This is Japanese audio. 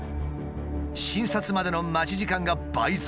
診察までの待ち時間が倍増。